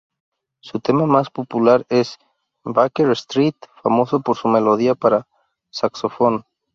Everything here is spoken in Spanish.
Su tema más popular es Baker Street, famoso por su melodía para saxofón.